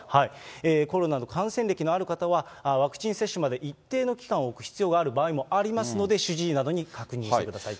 コロナの感染歴のある方はワクチン接種まで一定の期間を置く必要がありますので、主治医などに確認してくださいと。